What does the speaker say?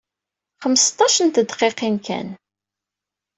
Xmesṭac n tedqiqin kan.